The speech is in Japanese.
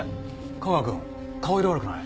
架川くん顔色悪くない？